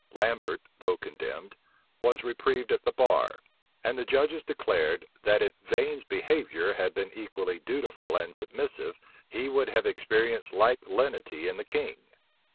Lambert, though condemned, was reprieved at the bar; and the judges declared, that if Vane's behavior had been equally dutiful and submissive, he would have experienced like lenity in the king.